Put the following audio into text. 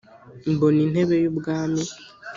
mbona intebe y ubwami